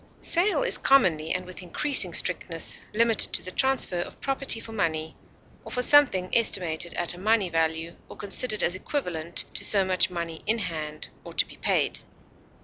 Sale is commonly, and with increasing strictness, limited to the transfer of property for money, or for something estimated at a money value or considered as equivalent to so much money in hand or to be paid.